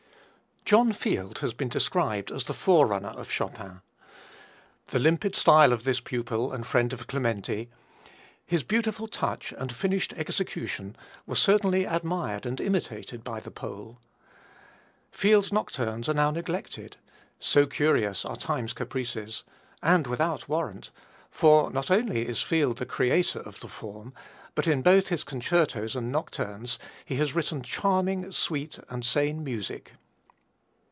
John Field has been described as the forerunner of Chopin. The limpid style of this pupil and friend of Clementi, his beautiful touch and finished execution, were certainly admired and imitated by the Pole. Field's nocturnes are now neglected so curious are Time's caprices and without warrant, for not only is Field the creator of the form, but in both his concertos and nocturnes he has written charming, sweet and sane music.